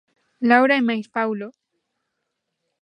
Laura e mais Paulo.